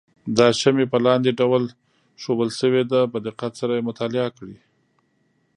دا شمې په لاندې ډول ښودل شوې ده په دقت سره یې مطالعه کړئ.